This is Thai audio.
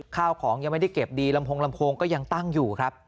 ข้าวของยังไม่ได้เก็บดีลำโพงลำโพงก็ยังตั้งอยู่ครับ